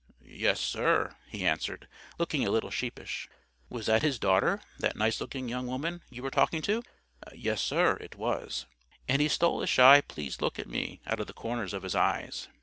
"Yes, sir," he answered, looking a little sheepish. "Was that his daughter—that nice looking young woman you were talking to?" "Yes, sir, it was." And he stole a shy pleased look at me out of the corners of his eyes.